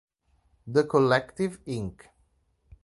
The Collective, Inc.